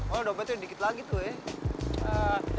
oh udah betul dikit lagi tuh ya